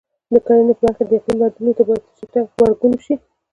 د کرنې په برخه کې د اقلیم بدلونونو ته باید چټک غبرګون وشي.